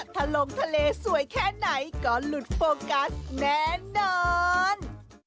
ถ้าลงทะเลสวยแค่ไหนก็หลุดโฟกัสแน่นอน